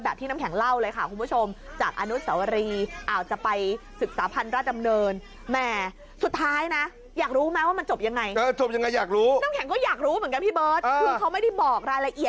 แบบที่น้ำแข็งเล่าเลยค่ะคุณผู้ชมจากอนุสสาวรี